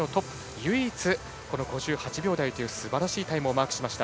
唯一、５８秒台というすばらしいタイムをマークしました。